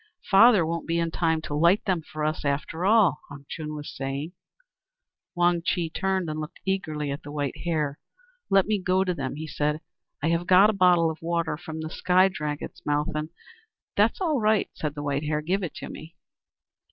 "Father won't be in time to light them for us, after all," Han Chung was saying. Wang Chih turned, and looked eagerly at the White Hare. "Let me go to them," he said. "I have got a bottle of water from the Sky Dragon's mouth, and " "That's all right," said the White Hare. "Give it to me."